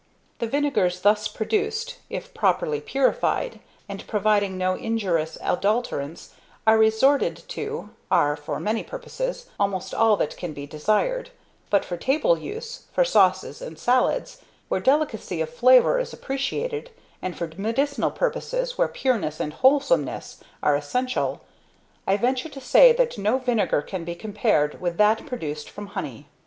The vinegars thus produced, if properly purified, and providing no injurious adulterants are resorted to, are, for many purposes, almost all that can be desired; but for table use, for sauces and salads, where delicacy of flavour is appreciated, and for medicinal purposes where pureness and wholesomeness are essential, I venture to say that no vinegar can be compared with that produced from +Honey+.